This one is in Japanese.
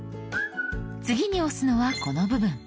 次に押すのはこの部分。